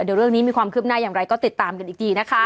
เดี๋ยวเรื่องนี้มีความคืบหน้าอย่างไรก็ติดตามกันอีกทีนะคะ